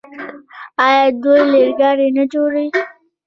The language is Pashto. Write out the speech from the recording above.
آیا دوی ریل ګاډي نه جوړوي؟